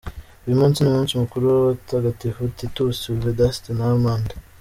Uyu munsi ni umunsi mukuru w’abatagatifu Titus, Vedaste, na Amand.